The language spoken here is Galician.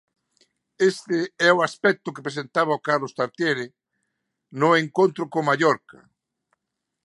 Este é o aspecto que presentaba o Carlos Tartiere no encontro co Mallorca...